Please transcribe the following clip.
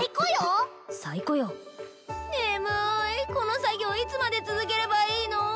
眠いこの作業いつまで続ければいいの？